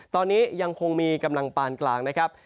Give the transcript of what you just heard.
ตอนนี้ยังคงมีกำลังปานกลางนะครับ